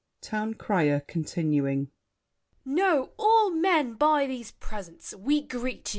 TOWN CRIER (continuing). "Know all men by these presents, we greet you!